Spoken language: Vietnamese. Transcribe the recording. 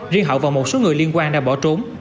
riêng hậu và một số người liên quan đã bỏ trốn